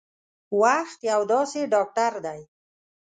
وخت یو داسې ډاکټر دی